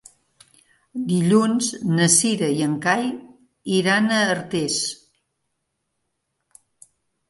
Dilluns na Cira i en Cai iran a Artés.